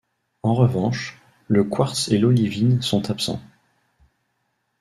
En revanche, le quartz et l'olivine sont absents.